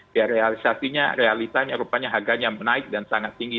biar realisasi realitanya rupanya harganya menaik dan sangat tinggi